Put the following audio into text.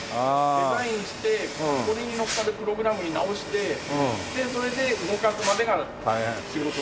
デザインしてこれにのっかるプログラムに直してでそれで動かすまでが仕事。